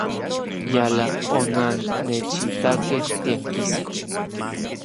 Yala onannechitakej tiankisko.